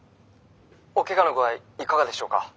おけがの具合いかがでしょうか？